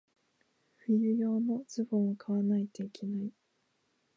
冬用のズボンを買わないといけない。